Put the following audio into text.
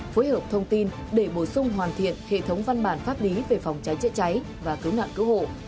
phối hợp thông tin để bổ sung hoàn thiện hệ thống văn bản pháp lý về phòng cháy chữa cháy và cứu nạn cứu hộ